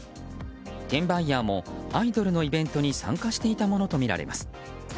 転売ヤーもアイドルのイベントに参加していたものとみられます。